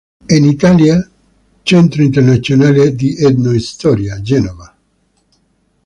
En Italia: Centro Internazionale di Etnohistoria, Genova.